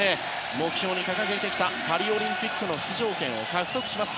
目標に掲げてきたパリオリンピック出場権を獲得します。